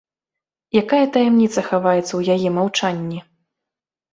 Якая таямніца хаваецца ў яе маўчанні?